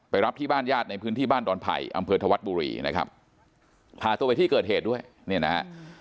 รับที่บ้านญาติในพื้นที่บ้านดอนไผ่อำเภอธวัดบุรีนะครับพาตัวไปที่เกิดเหตุด้วยเนี่ยนะฮะ